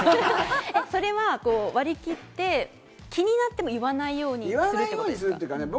それは割り切って気になっても言わないようにするってことですか？